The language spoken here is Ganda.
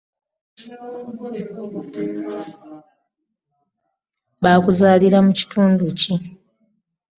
Baakuzalira mu kitundu ki?